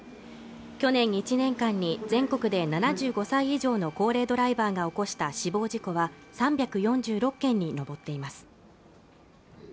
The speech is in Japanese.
去年１年間に全国で７５歳以上の高齢ドライバーが起こした死亡事故は３４６件に上っています